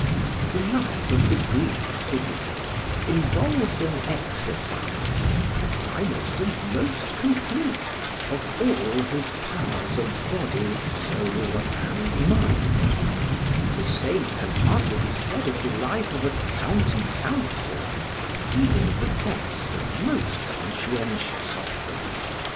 The life of the Greek citizen involved an exercise, the finest and most complete, of all his powers of body, soul, and mind; the same can hardly be said of the life of a county councillor, even of the best and most conscientious of them.